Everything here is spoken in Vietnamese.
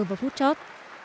và phút chót